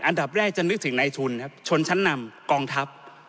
อันดับแรกจะนึกถึงในทุนครับชนชั้นนำกองทัพ